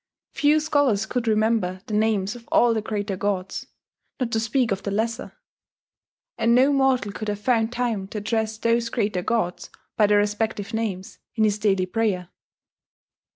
Few scholars could remember the names of all the greater gods, not to speak of the lesser; and no mortal could have found time to address those greater gods by their respective names in his daily prayer.